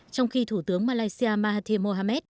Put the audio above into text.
trong khi thủ tướng malaysia mahathir mohamad